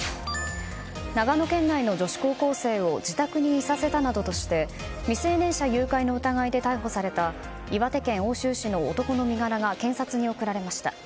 長野県内の女子高校生を自宅にいさせたなどとして未成年者誘拐の疑いで逮捕された岩手県奥州市の男の身柄が検察に送られました。